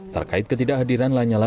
terkait ketidakhadiran lanyala